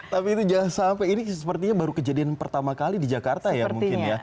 tapi itu jangan sampai ini sepertinya baru kejadian pertama kali di jakarta ya mungkin ya